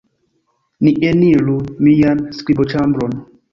Ni eniru mian skriboĉambron.